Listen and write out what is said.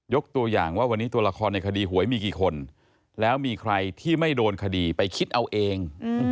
ตัวอย่างว่าวันนี้ตัวละครในคดีหวยมีกี่คนแล้วมีใครที่ไม่โดนคดีไปคิดเอาเอง